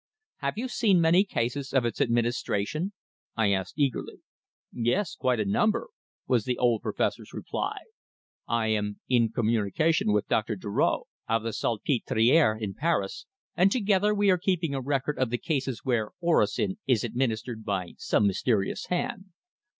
"Have you seen many cases of its administration?" I asked eagerly. "Yes. Quite a number," was the old Professor's reply. "I am in communication with Doctor Duroc, of the Salpêtrière in Paris, and together we are keeping a record of the cases where orosin is administered by some mysterious hand.